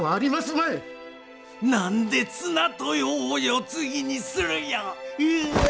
何で綱豊を世継ぎにするんや。